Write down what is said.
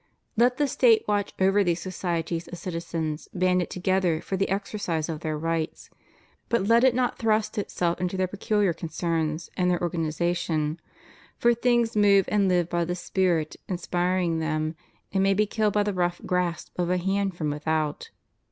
Let the State watch over these societies of citizens banded together for the exercise of their rights; but let it not thrust itself into their peculiar concerns and their organ ization; for things move and live by the spirit inspiring them, and may be killed by the rough grasp of a hand from without.